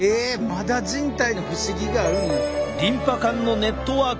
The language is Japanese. まだ人体の不思議があるんや。